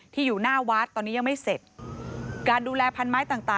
อยู่หน้าวัดตอนนี้ยังไม่เสร็จการดูแลพันไม้ต่างต่าง